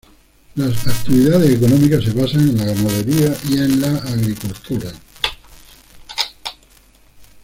Las actividades económicas se basan en la ganadería y la agricultura.